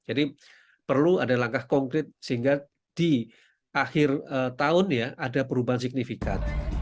jadi perlu ada langkah konkret sehingga di akhir tahun ya ada perubahan signifikan